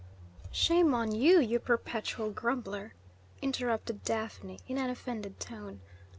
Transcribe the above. '" "Shame on you, you perpetual grumbler," interrupted Daphne in an offended tone.